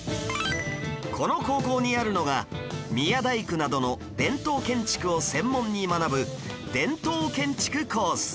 この高校にあるのが宮大工などの伝統建築を専門に学ぶ伝統建築コース